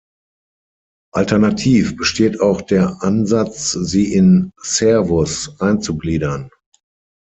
Alternativ besteht auch der Ansatz, sie in "Cervus" einzugliedern.